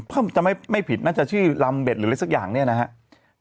เค้ามันจะไม่ผิดน่าจะชื่อลำเบฎหรืออะไรซักสิ่งนี้นะครับ